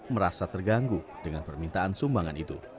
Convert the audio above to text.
merasa terganggu dengan permintaan sumbangan itu